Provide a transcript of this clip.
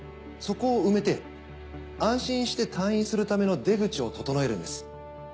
そこを埋めて安心して退院するための出口を調えるんです。